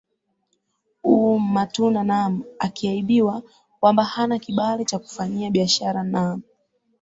uuuuum matunda naam akiabiwa kwamba hana kibali cha kufanyia biashara naam